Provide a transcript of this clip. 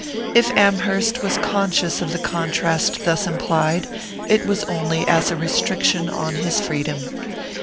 If Amherst was conscious of the contrast thus implied, it was only as a restriction on his freedom.